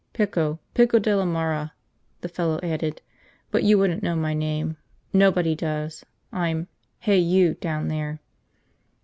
"Pico, Pico della Mara," the fellow added. "But you wouldn't know my name. Nobody does. I'm 'hey, you,' down there."